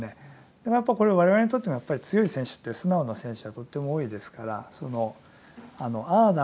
でもやっぱこれ我々にとってもやっぱり強い選手って素直な選手がとっても多いですからああだ